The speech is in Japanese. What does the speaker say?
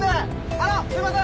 あのすみません！